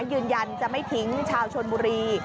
ยืนยันจะไม่ทิ้งชาวชนบุรี